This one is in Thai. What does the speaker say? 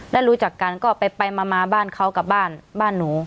รู้จักกันก็ไปมาบ้านเขากับบ้านบ้านหนู